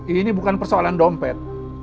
ini bukan persoalan dompet